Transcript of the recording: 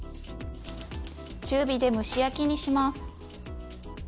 中火で蒸し焼きにします。